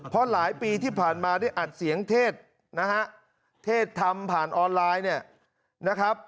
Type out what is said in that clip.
เพราะหลายปีที่ผ่านมาได้อัดเสียงเทศนะฮะเทศทำผ่านออนไลน์เนี่ยนะครับ